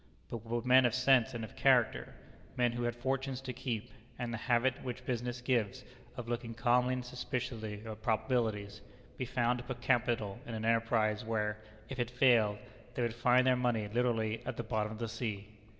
But would men of sense and of character; men who had fortunes to keep, and the habit which business gives of looking calmly and suspiciously at probabilities; be found to put capital in an enterprise where, if it failed, they would find their money literally at the bottom of the sea?